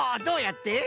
どうやって？